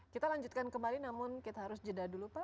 kita lanjutkan kembali namun kita harus jeda dulu pak